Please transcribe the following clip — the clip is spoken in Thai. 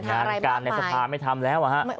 แต่สตาร์ทไม่ทำแล้วอะฮะ